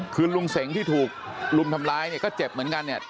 คือลุงเสงที่ถูกลุมทำร้ายเนี่ยก็เจ็บเหมือนกันเนี่ย